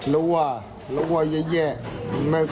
รัวรัวแย่